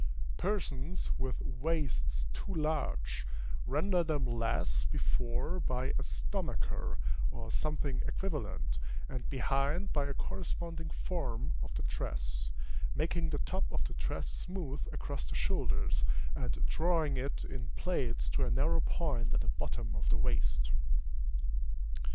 Persons with waists too large, render them less before by a stomacher, or something equivalent, and behind by a corresponding form of the dress, making the top of the dress smooth across the shoulders, and drawing it in plaits to a narrow point at the bottom of the waist.